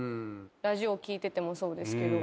ラジオ聴いててもそうですけど。